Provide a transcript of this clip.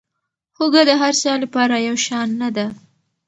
هوږه د هر چا لپاره یو شان نه ده.